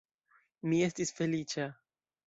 Mi estis feliĉa.